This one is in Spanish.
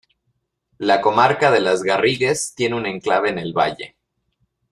La comarca de las Garrigues tiene un enclave en el Valle.